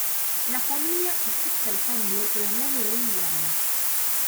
La familia acepta el cambio pero no de buen grado.